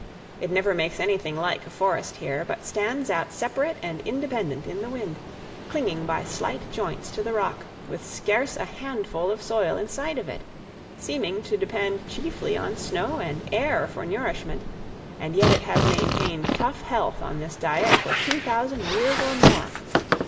It never makes anything like a forest here, but stands out separate and independent in the wind, clinging by slight joints to the rock, with scarce a handful of soil in sight of it, seeming to depend chiefly on snow and air for nourishment, and yet it has maintained tough health on this diet for two thousand years or more.